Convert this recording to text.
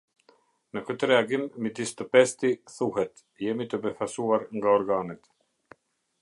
Në këtë reagim midis të pesti thuhet: Jemi të befasuar nga organet.